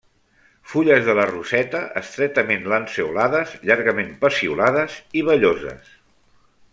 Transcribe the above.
Fulles de la roseta estretament lanceolades, llargament peciolades i velloses.